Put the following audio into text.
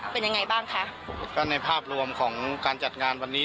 เป็นยังไงบ้างคะก็ในภาพรวมของการจัดงานวันนี้